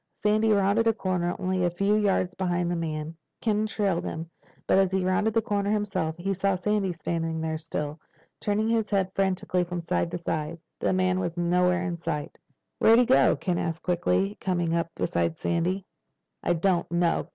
Sandy rounded a corner only a few yards behind the men. Ken trailed him. But as he rounded the corner himself he saw Sandy standing still, turning his head frantically from side to side. The man was nowhere in sight. "Where'd he go?" Ken asked quickly, coming up beside Sandy. "I don't know."